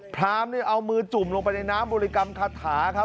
พราหมณ์นี่เอามือจุ่มลงไปในน้ำบุริกรรมคาถา